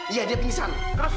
iya dia penyisal